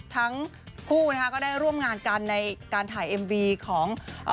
ทั้งคู่นะคะก็ได้ร่วมงานกันในการถ่ายเอ็มวีของเอ่อ